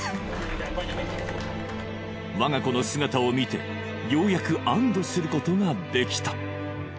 我が子の姿を見てようやく安堵することができた